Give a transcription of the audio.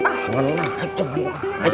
jangan naik jangan naik